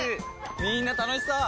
みんな楽しそう！